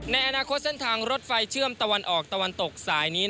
ในอนาคตเส้นทางรถไฟเชื่อมตะวันออกตะวันตกสายนี้